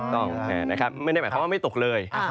ต้องไม่ได้หมายความว่าไม่ตกเลย